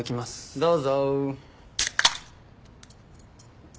どうぞ。